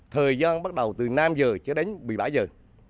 thời gian bắt đầu từ năm giờ cho đến một mươi bảy giờ